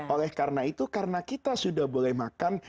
oleh karena itu karena kita sudah boleh makan